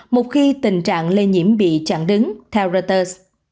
một khi tình trạng lây nhiễm bị chặn đứng theo reuters